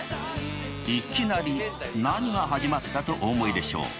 いきなり何が始まったとお思いでしょう。